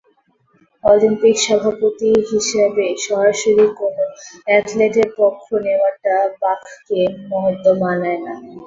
Olympic সভাপতি হিসেবে সরাসরি কোনো অ্যাথলেটের পক্ষ নেওয়াটা বাখকে হয়তো মানায় না।